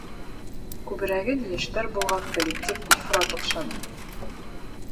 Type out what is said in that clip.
Күберәген йәштәр булған коллектив ифрат оҡшаны.